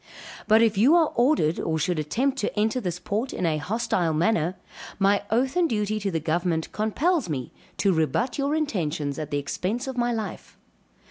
But if you are ordered, or should attempt to enter this port in a hostile manner, my oath and duty to the government compels me to rebut your intentions at the expense of my life.